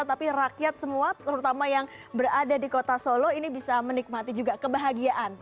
tapi rakyat semua terutama yang berada di kota solo ini bisa menikmati juga kebahagiaan